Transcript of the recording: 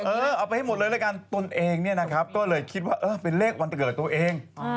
เออเอาไปให้หมดเลยรายการตัวเองก็เลยคิดว่าเป็นเลขวันตะเกิดตัวเอง